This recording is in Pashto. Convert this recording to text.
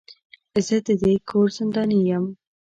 زه د دې کور زنداني يم.